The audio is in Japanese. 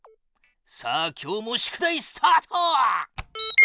さあ今日も宿題スタート！